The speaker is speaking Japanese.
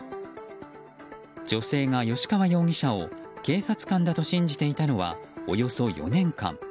女性が吉川容疑者を警察官だと信じていたのはおよそ４年間。